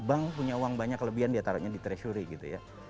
bank punya uang banyak kelebihan dia taruhnya di treasury gitu ya